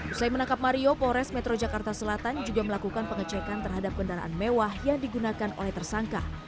usai menangkap mario polres metro jakarta selatan juga melakukan pengecekan terhadap kendaraan mewah yang digunakan oleh tersangka